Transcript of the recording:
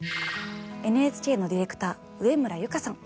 ＮＨＫのディレクター植村優香さん。